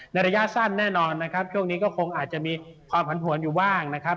ระยะสั้นแน่นอนนะครับช่วงนี้ก็คงอาจจะมีความผันผวนอยู่บ้างนะครับ